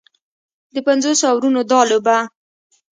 د پنځوسو اورونو دا لوبه